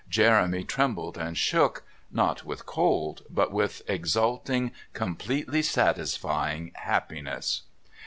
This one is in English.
Jeremy trembled and shook, not with cold, but with exalting, completely satisfying happiness.